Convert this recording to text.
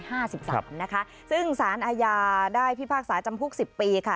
ห้าสิบสามนะคะซึ่งสารอาญาได้พิพากษาจำคุกสิบปีค่ะ